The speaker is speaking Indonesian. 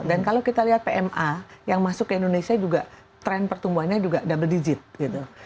dan kalau kita lihat pma yang masuk ke indonesia juga tren pertumbuhannya juga double digit gitu